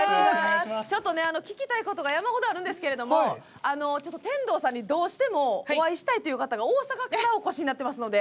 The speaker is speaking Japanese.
ちょっとね、聞きたいことが山ほどあるんですけど天童さんにどうしてもお会いしたいという方が大阪からお越しになってますので。